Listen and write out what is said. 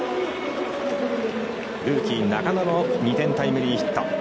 ルーキー中野の２点タイムリーヒット。